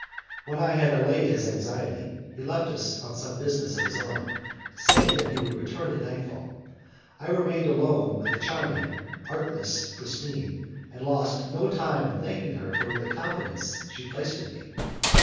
When I had allayed his anxiety, he left us on some business of his own, saying that he would return at night fall. I remained alone with the charming, artless Christine, and lost no time in thanking her for the confidence she placed in me.